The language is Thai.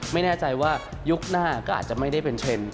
ไม่แน่ใจว่ายุคหน้าก็อาจจะไม่ได้เป็นเทรนด์